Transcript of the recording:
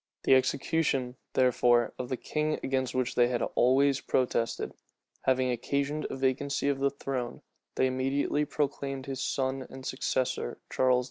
The execution, therefore, of the king, against which they had always protested, having occasioned a vacancy of the throne, they immediately proclaimed his son and successor, Charles II.